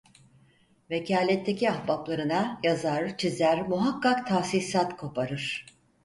Vekaletteki ahbaplarına yazar, çizer, muhakkak tahsisat koparır.